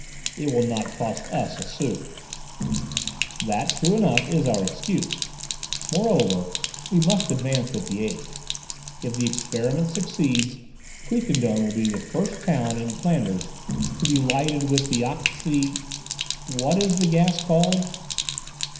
It will not cost us a sou." "That, true enough, is our excuse. Moreover, we must advance with the age. If the experiment succeeds, Quiquendone will be the first town in Flanders to be lighted with the oxy—What is the gas called?"